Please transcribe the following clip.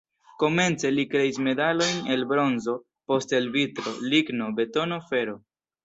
Komence li kreis medalojn el bronzo, poste el vitro, ligno, betono, fero.